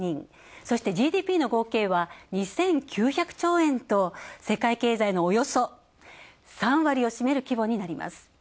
そして、ＧＤＰの合計は２９００兆円と世界経済のおよそ３割を占める規模になります。